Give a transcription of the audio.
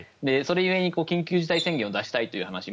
それ故に緊急事態宣言を出したいという話